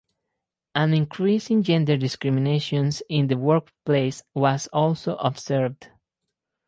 An increase in gender discrimination in the workplace was also observed.